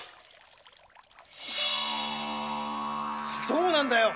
どうなんだよ